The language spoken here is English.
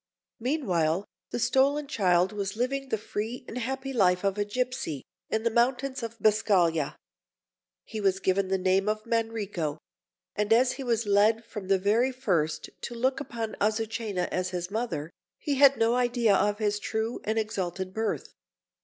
Meanwhile the stolen child was living the free and happy life of a gipsy in the mountains of Biscaglia. He was given the name of Manrico; and as he was led from the very first to look upon Azucena as his mother, he had no idea of his true and exalted birth.